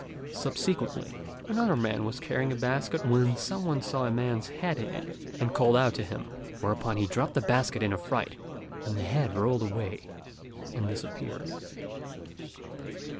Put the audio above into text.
Subsequently, another man was carrying a basket when some one saw a man's head in it, and called out to him; whereupon he dropped the basket in a fright, and the head rolled away and disappeared.